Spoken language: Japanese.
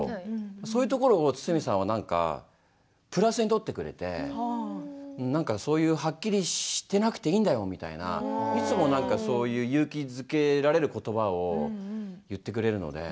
そういうところを堤さんはなんかプラスに取ってくれてそういう、はっきりしてなくていいんだよみたいないつも、なんかそういう勇気づけられることばを言ってくれるので。